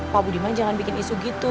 pak budiman jangan bikin isu gitu